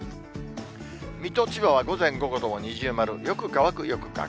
水戸、千葉は午前、午後とも二重丸、よく乾く、よく乾く。